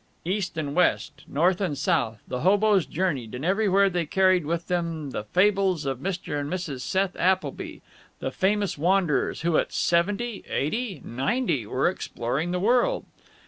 East and west, north and south, the hoboes journeyed, and everywhere they carried with them fables of Mr. and Mrs. Seth Appleby, the famous wanderers, who at seventy, eighty, ninety, were exploring the world.